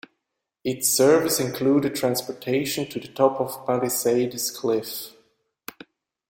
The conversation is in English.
Its service included transportation to the top of Palisades Cliff.